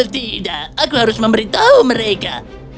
tidak aku harus memberitahu mereka